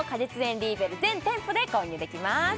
リーベル全店舗で購入できます